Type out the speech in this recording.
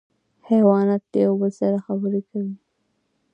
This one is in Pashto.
حیوانات له یو بل سره خبرې کوي